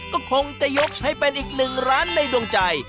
ก็คงจะยกให้เป็นอีกหนึ่งร้านในดวงใจ